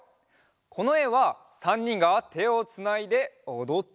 このえは３にんがてをつないでおどっているところなんだって。